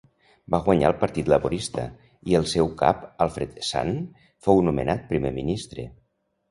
Va guanyar el Partit Laborista, i el seu cap Alfred Sant fou nomenat primer ministre.